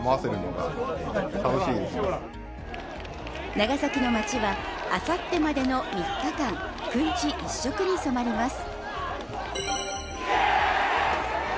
長崎の街はあさってまでの３日間、くんち一色に染まります。